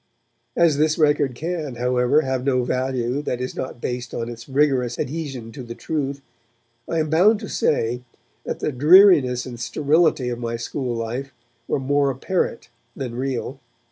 As this record can, however, have no value that is not based on its rigorous adhesion to the truth, I am bound to say that the dreariness and sterility of my school life were more apparent than real.